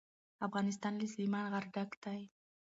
افغانستان له سلیمان غر ډک دی.